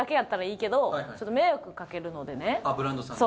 ブランドさんに。